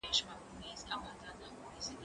زه شګه نه پاکوم!؟